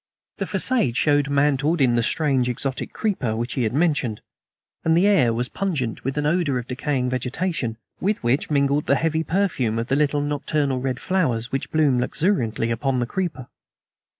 The facade showed mantled in the strange exotic creeper which he had mentioned, and the air was pungent with an odor of decaying vegetation, with which mingled the heavy perfume of the little nocturnal red flowers which bloomed luxuriantly upon the creeper.